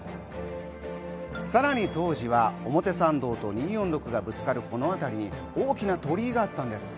さらに当時は表参道と２４６がぶつかるこの辺りに大きな鳥居があったんです。